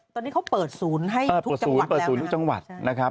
ตอนนี้เขาเปิดศูนย์ให้ทุกจังหวัดแล้วนะครับ